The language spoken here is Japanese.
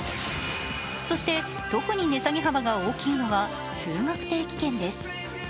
そして特に値下げ幅が大きいのは通学定期券です。